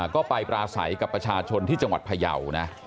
ก็ไปปราศัยกับประชาชนที่จังหวัดพยาวนะ